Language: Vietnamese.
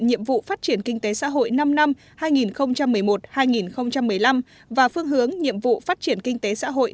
nhiệm vụ phát triển kinh tế xã hội năm năm hai nghìn một mươi một hai nghìn một mươi năm và phương hướng nhiệm vụ phát triển kinh tế xã hội